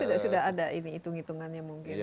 sudah ada ini hitung hitungannya mungkin